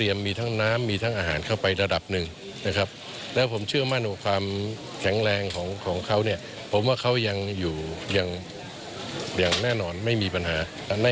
อย่างแน่นอนไม่มีปัญหา